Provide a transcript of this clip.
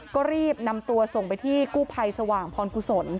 ก็รีบนำตัวส่งไปที่กู้ภัยสว่างพรกุศล